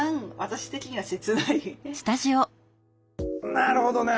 なるほどね。